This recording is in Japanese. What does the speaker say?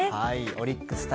オリックス対